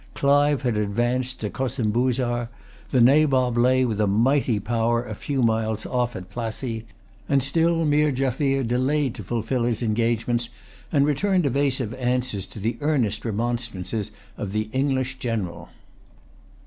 Clive had advanced to Cossimbuzar; the Nabob lay with a mighty power a few miles off at Plassey; and still Meer Jaffier delayed to fulfil his engagements, and returned evasive answers to the earnest remonstrances of the English general.